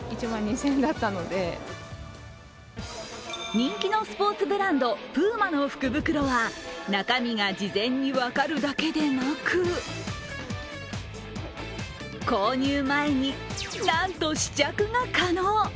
人気のスポーツブランド、ＰＵＭＡの福袋は中身が事前に分かるだけでなく購入前に、なんと試着が可能。